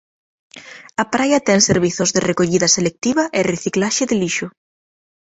A praia ten servizos de recollida selectiva e reciclaxe de lixo.